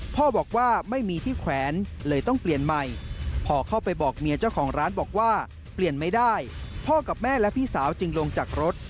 พ่อกับแม่และพี่สาวจึงลงจากรถ